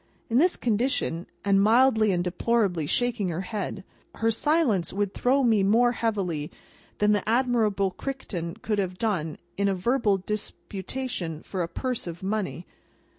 In this condition, and mildly and deplorably shaking her head, her silence would throw me more heavily than the Admirable Crichton could have done in a verbal disputation for a purse of money.